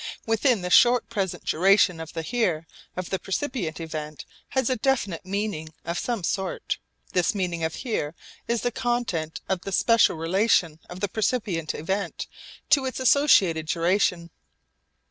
Within the short present duration the 'here' of the percipient event has a definite meaning of some sort. This meaning of 'here' is the content of the special relation of the percipient event to its associated duration.